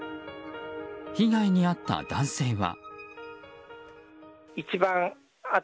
被害に遭った男性は。